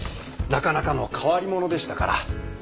なかなかの変わり者でしたから。